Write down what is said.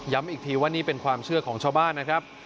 อีกทีว่านี่เป็นความเชื่อของชาวบ้านนะครับ